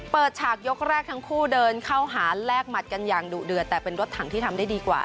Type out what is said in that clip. ฉากยกแรกทั้งคู่เดินเข้าหาแลกหมัดกันอย่างดุเดือดแต่เป็นรถถังที่ทำได้ดีกว่า